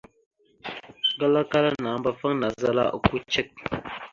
Aŋglak ala nàambafaŋ naazala okko cek.